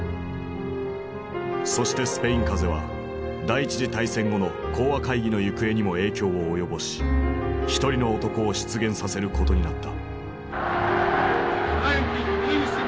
そしてスペイン風邪は第一次大戦後の講和会議の行方にも影響を及ぼし一人の男を出現させることになった。